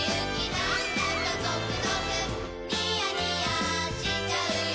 なんだかゾクゾクニヤニヤしちゃうよ